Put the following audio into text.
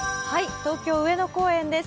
東京・上野公園です。